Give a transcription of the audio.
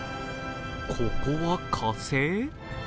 ここは火星？